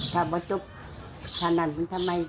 ถ้าไม่จบถ้านั้นทำไม